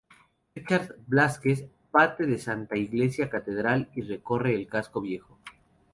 Ricardo Blázquez, parte de Santa Iglesia Catedral y recorre el Casco Viejo.